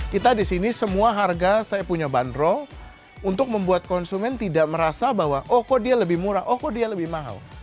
kita di sini semua harga saya punya bandrol untuk membuat konsumen tidak merasa bahwa oh kok dia lebih murah oh kok dia lebih mahal